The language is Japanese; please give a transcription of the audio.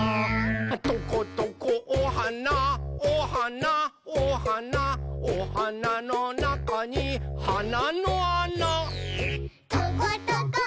「トコトコおはなおはなおはなおはなのなかにはなのあな」「トコトコおくちおくち